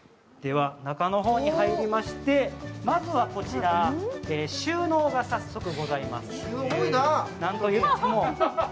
中の方に入りまして、まずはこちら、収納が早速ございます。